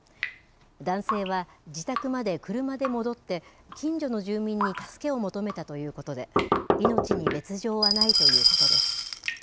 男性は、自宅まで車で戻って、近所の住民に助けを求めたということで、命に別状はないということです。